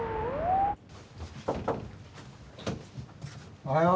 おはよう。